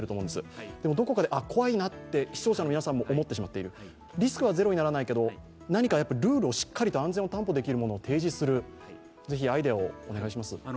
ただどこかで怖いなと思っている、リスクはゼロにならないけれども、ルールを、しっかりと安全を担保できるものを提示する、ぜひアイデアをお願いします。